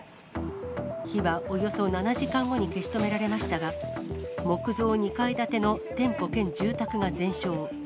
火はおよそ７時間後に消し止められましたが、木造２階建ての店舗兼住宅が全焼。